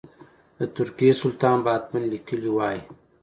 د ترکیې سلطان به حتما لیکلي وای.